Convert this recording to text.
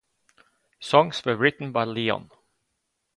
Songs were written by Leon.